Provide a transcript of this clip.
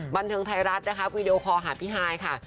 บันทึงไทรรัฐนะครับวีดีโอคอร์หาพี่หายค่ะ